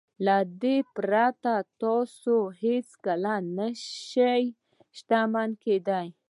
له دې پرته تاسې هېڅکله نه شئ شتمن کېدلای.